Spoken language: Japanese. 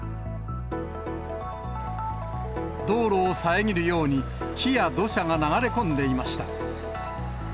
道路を遮るように、木や土砂が流れ込んでいました。